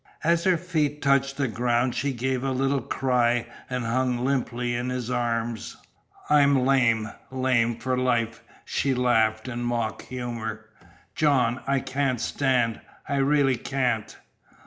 As her feet touched the ground she gave a little cry and hung limply in his arms. "I'm lame lame for life!" she laughed in mock humour. "John, I can't stand. I really can't!"